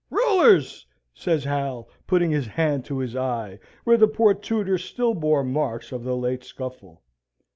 "Rulers!" says Hal, putting his hand to his eye, where the poor tutor still bore marks of the late scuffle.